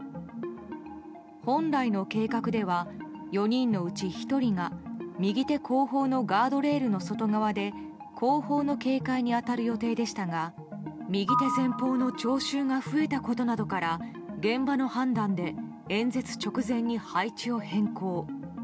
本来の計画では４人のうち１人が右手後方のガードレールの外側で後方の警戒に当たる予定でしたが右手前方の聴衆が増えたことなどから現場の判断で演説直前に配置を変更。